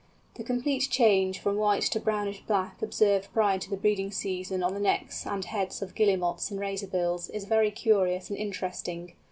The complete change from white to brownish black observed prior to the breeding season on the necks and heads of Guillemots and Razorbills is very curious and interesting.